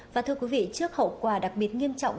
và thưa quý vị trước hậu quả đặc biệt nghiêm trọng